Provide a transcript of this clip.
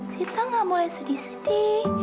sita gak boleh sedih sedih